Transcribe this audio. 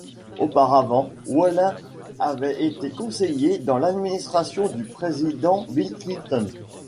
Auparavant, Wolin avait été conseiller dans l'administration du président Bill Clinton.